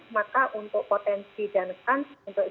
maka untuk potensi dan chance untuk stem cell untuk covid sembilan belas